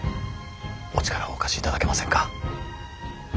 お力をお貸しいただけませんか。